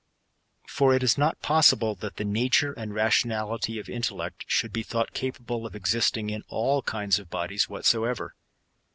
For it is not possible that the nature and rationality of in tellect should be thought capable of existing in all kinds of bodies whatsoever.